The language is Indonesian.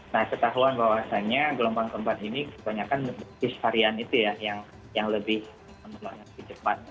nah ketahuan bahwasanya gelombang keempat ini kebanyakan varian itu ya yang lebih menurut mas habib cepat